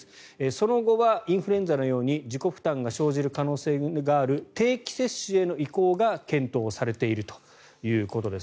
その後はインフルエンザのように自己負担が生じる可能性がある定期接種への移行が検討されているということです。